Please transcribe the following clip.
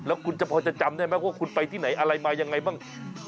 แล้วคุณจะพอจะจำได้ไหมว่าคุณไปที่ไหนอะไรมายังไงบ้าง